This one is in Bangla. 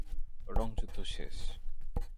রঙ যুদ্ধ শেষ!